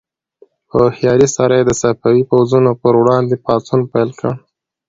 په هوښیارۍ سره یې د صفوي پوځونو پر وړاندې پاڅون پیل کړ.